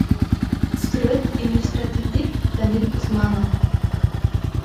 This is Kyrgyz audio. Сүрөт иллюстративдик, Даниль Усманов.